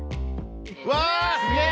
うわすげえ！